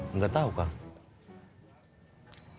enggak tau kang